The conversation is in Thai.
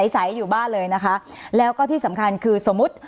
ใสอยู่บ้านเลยนะคะแล้วก็ที่สำคัญคือสมมุติ